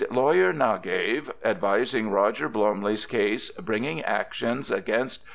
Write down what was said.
Lawyer Nagave advising Roger Blomely's Case bringing Actions agt.